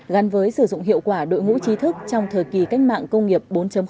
gắn với sử dụng hiệu quả đội ngũ trí thức trong thời kỳ cách mạng công nghiệp bốn